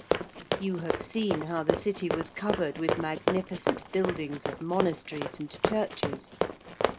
You have seen how the City was covered with magnificent buildings of monasteries and churches.